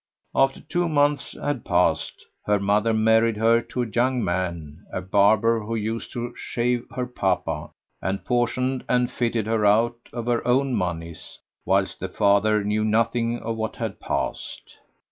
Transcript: After two months had passed by, her mother married her to a young man, a barber who used to shave her papa, and portioned and fitted her out of her own monies; whilst the father knew nothing of what had passed.